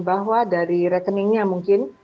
bahwa dari rekeningnya mungkin